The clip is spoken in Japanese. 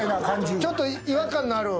ちょっと違和感のある？